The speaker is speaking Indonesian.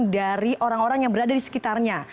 ada juga publikasi dari orang orang yang berada di sekitarnya